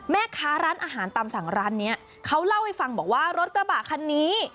แม่ค้าร้านอาหารตามสั่งร้านนี้เขาเล่าให้ฟังบอกว่ารถกระบะคันนี้